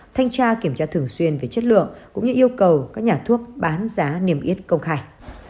thanh tra kiểm tra thường xuyên về chất lượng cũng như yêu cầu các nhà thuốc bán giá niêm yết công khai